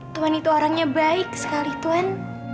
tuhan itu orangnya baik sekali tuan